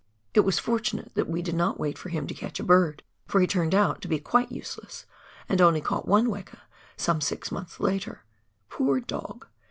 It was fortunate that we did not wait for him to catch a bird, for he turned out to be quite useless, and only caught one weka, some six months later. Poor dog